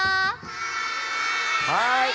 はい。